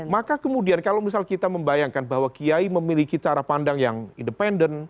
maka kemudian kalau misal kita membayangkan bahwa kiai memiliki cara pandang yang independen